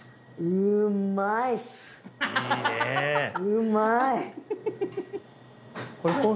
うまい！